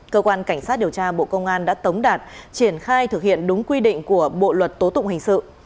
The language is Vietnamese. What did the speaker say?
cơ quan cảnh sát điều tra bộ công an đã tống đạt triển khai thực hiện đúng quy định của bộ luật tố tụng hình sự